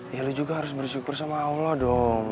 ya juga harus bersyukur sama allah dong